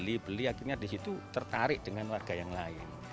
itu tertarik dengan warga yang lain